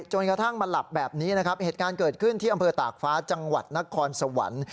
จนกระทั่งมาหลับแบบนี้นะครับเหตุการณ์เกิดขึ้นที่อำเภอตากฟ้าจังหวัดนครสวรรค์